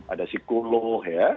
ada psikolog ya